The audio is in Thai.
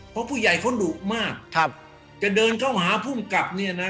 เพราะผู้ใหญ่เขาดุมากครับจะเดินเข้าหาภูมิกับเนี่ยนะ